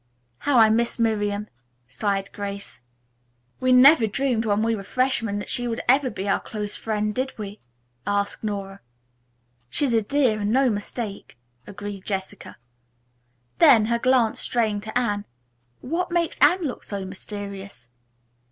"How I miss Miriam," sighed Grace. "We never dreamed when we were freshmen that she would ever be our close friend, did we?" asked Nora. "She's a dear, and no mistake," agreed Jessica. Then, her glance straying to Anne, "What makes Anne look so mysterious?"